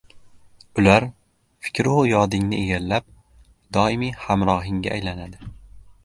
Ular fikru yodingni egallab, doimiy hamrohingga aylanadi.